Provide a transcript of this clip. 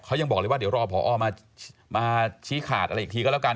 เขายังบอกเลยว่าเดี๋ยวรอพอมาชี้ขาดอะไรอีกทีก็แล้วกัน